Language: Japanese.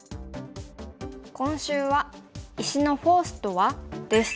今週は「石のフォースとは？」です。